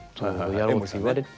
やろうって言われて。